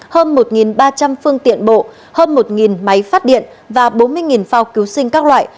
hơn một ba trăm linh phương tiện bộ hơn một máy phát điện và bốn mươi phao cứu sinh các loại